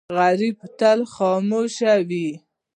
غریب تل خاموش وي